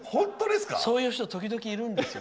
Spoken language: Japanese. そういう人、時々いるんですよ。